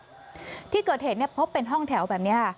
ไปตรวจสอบที่เกิดเหตุเนี่ยพบเป็นห้องแถวแบบเนี้ย